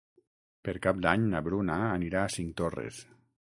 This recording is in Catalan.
Per Cap d'Any na Bruna anirà a Cinctorres.